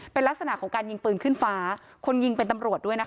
เป็นลักษณะของการยิงปืนขึ้นฟ้าคนยิงเป็นตำรวจด้วยนะคะ